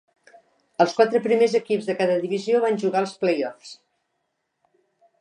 Els quatre primers equips de cada divisió van jugar els playoffs.